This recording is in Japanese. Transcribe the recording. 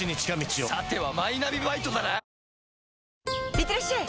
いってらっしゃい！